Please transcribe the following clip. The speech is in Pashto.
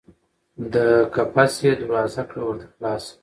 د قفس یې دروازه کړه ورته خلاصه